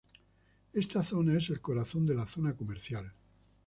Esta zona es el corazón de la zona comercial.